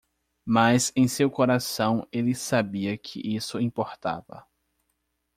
Mas em seu coração ele sabia que isso importava.